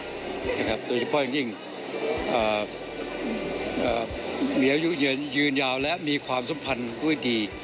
โดยเฉพาะอย่างยิ่งมีอายุยืนยาวและมีความสัมพันธ์ด้วยดี